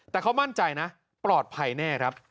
แต่เขามั่นใจนะปลอดภัยแน่ครับ